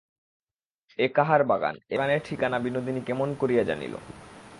এ কাহার বাগান, এ বাগানের ঠিকানা বিনোদিনী কেমন করিয়া জানিল।